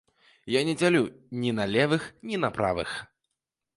Я не дзялю ні на левых, ні на правых.